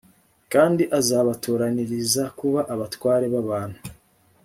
kandi azabatoraniriza kuba abatware b’abantu